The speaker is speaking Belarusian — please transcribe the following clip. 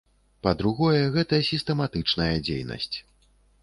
Па-другое, гэта сістэматычная дзейнасць.